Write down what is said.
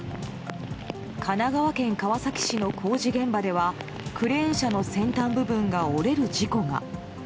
神奈川県川崎市の工事現場ではクレーン車の先端部分が折れる事故が。